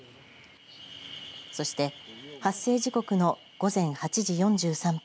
そして発生時刻の午前８時４３分。